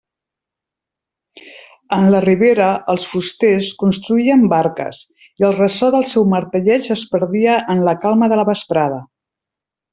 En la ribera els fusters construïen barques, i el ressò del seu martelleig es perdia en la calma de la vesprada.